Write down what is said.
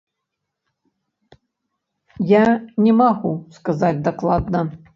Я не магу сказаць дакладна.